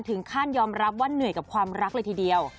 ถึงขั้นยอมรับว่าเหนื่อยกับความรักเลยทีเดียว